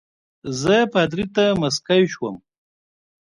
زه پادري ته مسکی شوم.